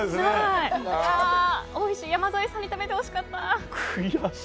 山添さんに食べてほしかった。